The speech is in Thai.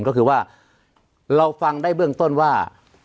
ก็คือว่าเราฟังได้เบื้องต้นว่า